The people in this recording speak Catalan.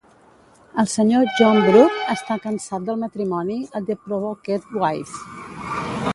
El senyor John Brute està cansat del matrimoni a "The Provoked Wife".